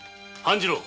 半次郎！